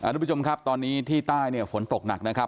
ทุกผู้ชมครับตอนนี้ที่ใต้เนี่ยฝนตกหนักนะครับ